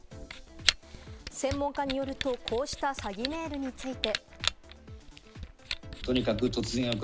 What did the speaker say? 専門家によると、こうした詐欺メールについて。